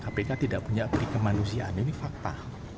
kpk tidak punya perikemanusiaan ini fakta